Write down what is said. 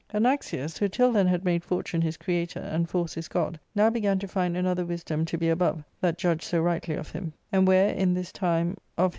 Anaxius, who till then had made fortune his creator, and force his God, now began to find another wisdom to be above that judged so rightly of him ; and where in this time of his B B 370 ARCADIA.